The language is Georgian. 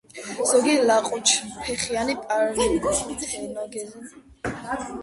ზოგი ლაყუჩფეხიანები პართენოგენეზურად მრავლდება.